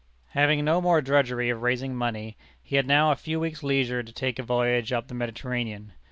Having no more drudgery of raising money, he had now a few weeks' leisure to take a voyage up the Mediterranean.